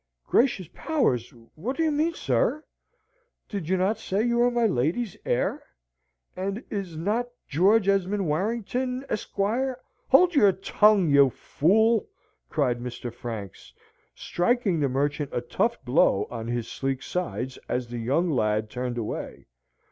"Gracious powers! what do you mean, sir? Did you not say you were my lady's heir? and is not George Esmond Warrington, Esq. " "Hold your tongue, you fool!" cried Mr. Franks, striking the merchant a tough blow on his sleek sides, as the young lad turned away.